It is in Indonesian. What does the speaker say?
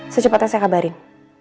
secepatnya saya kabarin